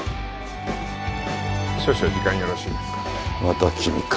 少々時間よろしいですか？